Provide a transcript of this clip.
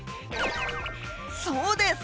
そうです！